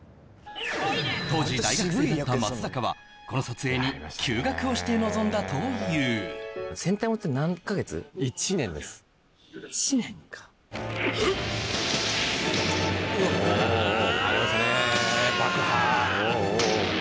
当時大学生だった松坂はこの撮影に休学をして臨んだという１年かあーー！